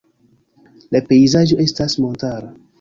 La pejzaĝo estas montara.